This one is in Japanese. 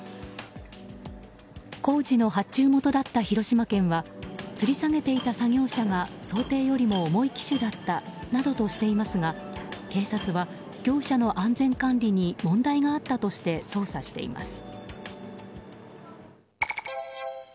工事の発注元だった広島県はつり下げていた作業車が想定よりも重い機種だったなどとしていますが警察は業者の安全管理に問題があったとして捜査しています。